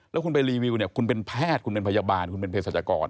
แล้วคุณไปรีวิวเนี่ยคุณเป็นแพทย์คุณเป็นพยาบาลคุณเป็นเพศรัชกร